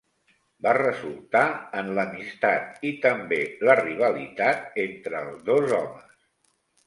Va resultar en l'amistat i també la rivalitat entre els dos homes.